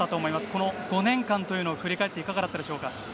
この５年間というのを振り返っていかがだったでしょうか？